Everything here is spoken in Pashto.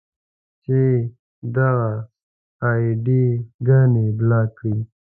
چې دغه اې ډي ګانې بلاک کړئ.